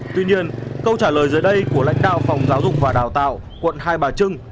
tuy nhiên câu trả lời dưới đây của lãnh đạo phòng giáo dục và đào tạo quận hai bà trưng